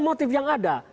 motif yang ada